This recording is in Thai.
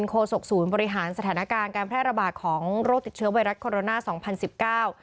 โศกศูนย์บริหารสถานการณ์การแพร่ระบาดของโรคติดเชื้อไวรัสโคโรนาสองพันสิบเก้า